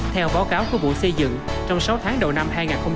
theo báo cáo của bộ xây dựng trong sáu tháng đầu năm hai nghìn hai mươi